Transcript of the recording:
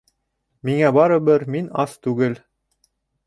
Миңә барыбер, мин ас түгел